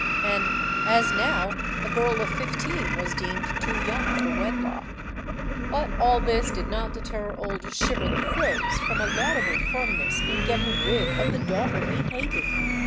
And, as now, a girl of fifteen was deemed too young for wedlock. But all this did not deter old Shiver the frills from a laudable firmness in getting rid of the daughter he hated.